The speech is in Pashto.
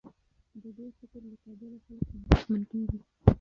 د ډېر فکر له کبله خلک اندېښمن کېږي.